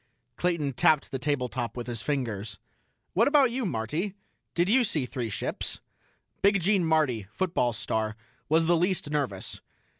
Clayton tapped the tabletop with his fingers. "What about you, Marty? Did you see three ships?" Big Gene Marty, football star, was the least nervous.